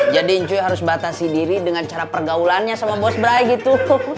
jadi ncuy harus batasi diri dengan cara pergaulannya sama bos brai gitu